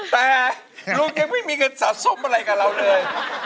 แต่ลุงยังไม่มีเงินสะสมอะไรกับเราเลย